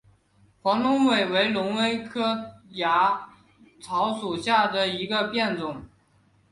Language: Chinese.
黄龙尾为蔷薇科龙芽草属下的一个变种。